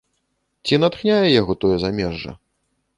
Ці натхняе яго тое замежжа?